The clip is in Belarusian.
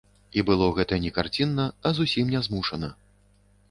І было гэта не карцінна, а зусім нязмушана.